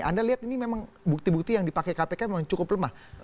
anda lihat ini memang bukti bukti yang dipakai kpk memang cukup lemah